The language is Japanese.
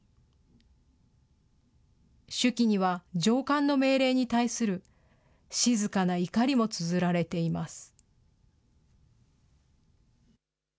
手記には、上官の命令に対する静かな怒りもつづられています。